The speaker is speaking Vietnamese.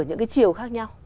những cái chiều khác nhau